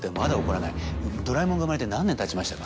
ドラえもんが生まれて何年たちましたか。